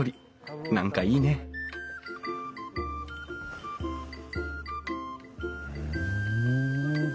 何かいいねふん。